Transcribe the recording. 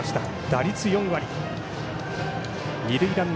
打率４割。